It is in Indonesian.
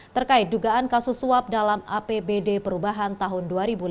terkait dugaan kasus suap dalam apbd perubahan tahun dua ribu enam belas